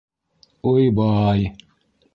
Уй-бай...